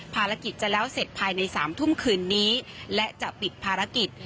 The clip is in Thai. ภารกิจจะแล้วเสร็จภายใน๓ทุ่มคืนนี้และจะปิดภารกิจ